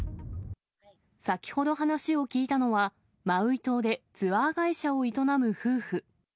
先ほど話を聞いたのは、マウイ島でツアー会社を営む夫婦。